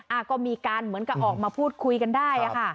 อ่ะก็มีการเหมือนกับออกมาพูดคุยกันได้อะค่ะ